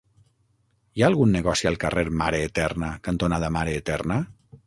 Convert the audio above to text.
Hi ha algun negoci al carrer Mare Eterna cantonada Mare Eterna?